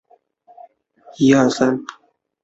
诺克斯县是美国伊利诺伊州西北部的一个县。